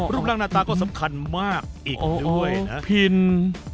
รูปร่างหน้าตาก็สำคัญมากอีกด้วยนะพิน